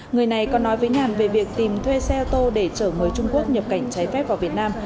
người này còn nói với nhàn về việc tìm thuê xe ô tô để chở người trung quốc nhập cảnh trái phép vào việt nam